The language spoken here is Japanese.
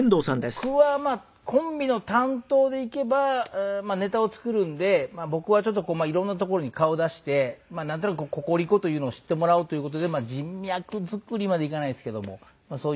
僕はコンビの担当でいけばまあネタを作るんで僕はちょっとこういろんな所に顔を出してなんとなくココリコというのを知ってもらうという事で人脈作りまでいかないですけどもそういう感じでやってます。